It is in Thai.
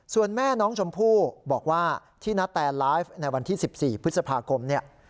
ส่วนแม่น้องชมพู่บอกว่าที่นาแตนไลฟ์ในวันที่๑๔พฤษภาคมเนี่ย